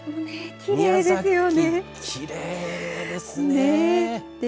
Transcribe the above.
きれいですよね。